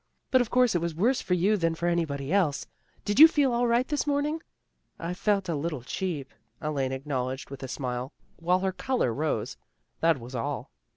But, of course, it was worse for you than for anybody else. Did you feel all right this morn ing? "'" I felt a little cheap," Elaine acknowledged with a smile, while her color rose, " That was all."